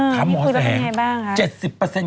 อืมคุยว่าเป็นยังไงบ้างคะ